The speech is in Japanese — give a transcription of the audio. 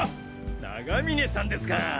永峰さんですかぁ！